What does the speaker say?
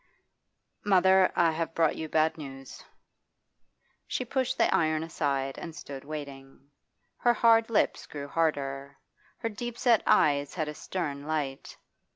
'Mother, I have brought you bad news.' She pushed the iron aside and stood waiting. Her hard lips grew harder; her deep set eyes had a stern light.